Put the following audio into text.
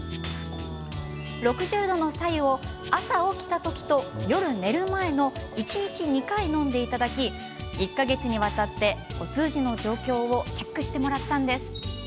６０度の白湯を朝起きた時と夜寝る前の一日２回飲んでいただき１か月にわたり、お通じの状況をチェックしてもらったんです。